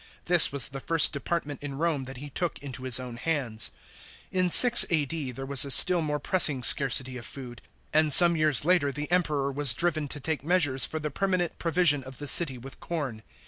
This was the first department in Rome that he took into his own hands. In 6 A.D., there was a still more pressing scarcity of food, and, some years later the Emperor was driven to take measures for the permanent provision of the city with corn.